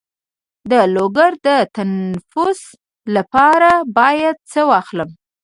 د لوګي د تنفس لپاره باید څه واخلم؟